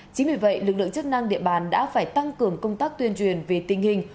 chính vì vậy lực lượng chức năng địa bàn đã phải tăng cường công tác tuyên truyền về tình hình